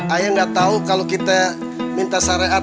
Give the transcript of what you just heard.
ayah gak tau kalau kita minta syariat